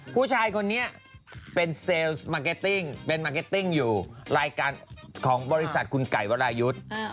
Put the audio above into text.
ผู้ชายคนนี้เป็นเซลล์สมาร์เก็ตติ้งเป็นมาร์เก็ตติ้งอยู่รายการของบริษัทคุณไก่วรายุทธ์